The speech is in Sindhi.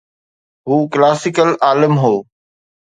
هو ڪلاسيڪل عالم هو.